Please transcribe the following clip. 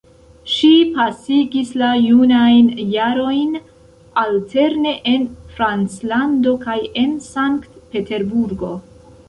Ŝi pasigis la junajn jarojn alterne en Franclando kaj en Sankt Peterburgo.